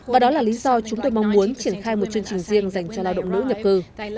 và đó là lý do chúng tôi mong muốn triển khai một chương trình riêng dành cho lao động nữ nhập cư